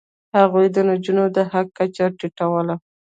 هغوی د نجونو د حق کچه ټیټوله.